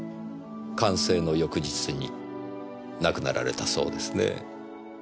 完成の翌日に亡くなられたそうですねぇ。